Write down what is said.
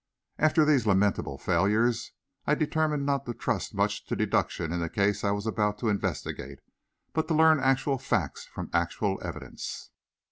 After these lamentable failures, I determined not to trust much to deduction in the case I was about to investigate, but to learn actual facts from actual evidence.